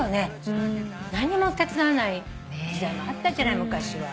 何にも手伝わない時代もあったじゃない昔は。